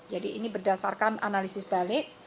jadi ini berdasarkan analisis balik